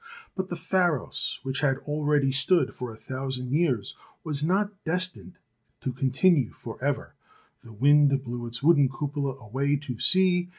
But the Pharos, which had already stood for a thousand years, was not destined to continue 1 86 THE SEVEN WONDERS for ever. The wind blew its wooden cupola away to sea.